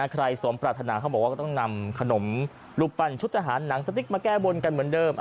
สมปรารถนาเขาบอกว่าก็ต้องนำขนมรูปปั้นชุดทหารหนังสติ๊กมาแก้บนกันเหมือนเดิม